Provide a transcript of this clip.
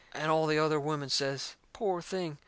And all the other women says: "Poor thing!"